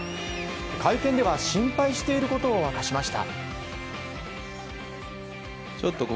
会見では心配していることを明かしました。